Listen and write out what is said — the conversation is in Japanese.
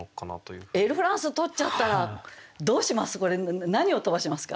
「エールフランス」を取っちゃったらどうします？